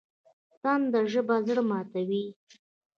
تنده ژبه زړه ماتوي